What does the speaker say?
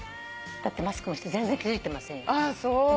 だってマスクもして全然気付いてませんよ。